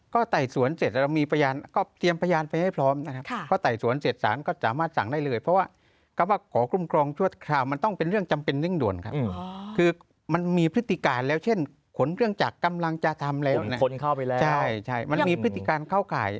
ก็ไต่สวนเสร็จเรามีพยานก็เตรียมพยานไปให้พร้อมนะครับเพราะไต่สวนเสร็จสารก็สามารถสั่งได้เลยเพราะว่าคำว่าขอคุ้มครองชั่วคราวมันต้องเป็นเรื่องจำเป็นเร่งด่วนครับคือมันมีพฤติการแล้วเช่นขนเครื่องจักรกำลังจะทำอะไรมันมีพฤติการเข้าข่าย